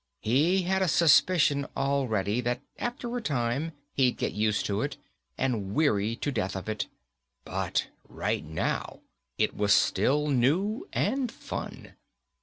He had a suspicion already that after a time he'd get used to it and weary to death of it, but right now it was still new and fun.